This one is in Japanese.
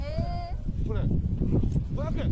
これ５００円。